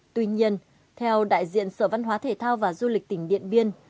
tuy nhiên theo đại diện sở văn hóa thể thao và du lịch tỉnh điện biên